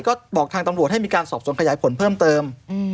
ก็บอกทางตำรวจให้มีการสอบสวนขยายผลเพิ่มเติม